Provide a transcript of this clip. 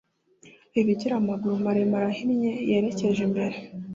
ibigira amaguru maremare ahinnye yerekeje imbere